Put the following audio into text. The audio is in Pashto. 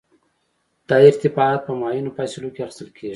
دا ارتفاعات په معینو فاصلو کې اخیستل کیږي